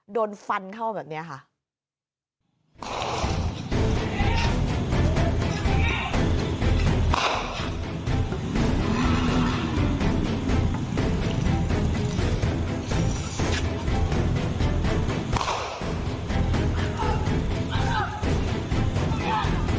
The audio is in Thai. โดนฟันเข้าแบบนี้ค่ะ